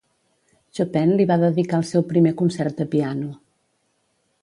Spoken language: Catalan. Chopin li va dedicar el seu primer concert de piano.